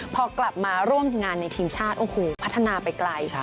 พอกลับมาร่วมงานในทีมชาติโอ้โหพัฒนาไปไกล